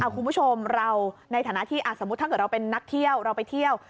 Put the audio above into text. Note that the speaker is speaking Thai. คุณผู้ชมเราในฐานะที่สมมุติถ้าเกิดเราเป็นนักเที่ยวเราไปเที่ยว